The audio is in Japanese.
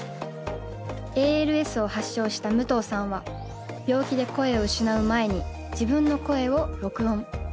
ＡＬＳを発症した武藤さんは病気で声を失う前に自分の声を録音。